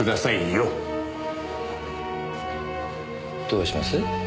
どうします？